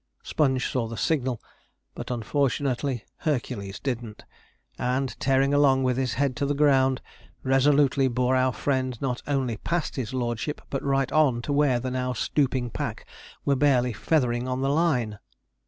Sponge saw the signal, but, unfortunately, Hercules didn't; and tearing along with his head to the ground, resolutely bore our friend not only past his lordship, but right on to where the now stooping pack were barely feathering on the line.